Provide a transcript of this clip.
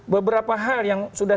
beberapa hal yang sudah